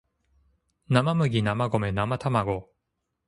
生麦生米生たまご